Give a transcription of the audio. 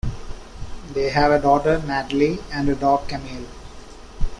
They have a daughter, Natalie, and a dog, Camille.